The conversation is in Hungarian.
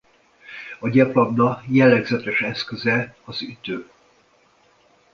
A gyeplabda jellegzetes eszköze az ütő.